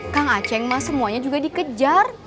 kang aceh mas semuanya juga dikejar